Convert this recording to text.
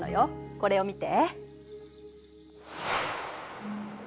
これを見て。